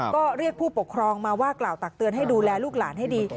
ก็เรียกผู้ปกครองมาว่ากล่าวตักเตือนให้ดูแลลูกหลานให้ดี